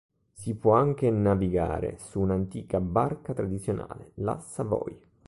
Si può anche navigare su un'antica barca tradizionale, la "Savoie".